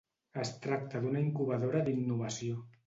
Es tracta d'una incubadora d'innovació.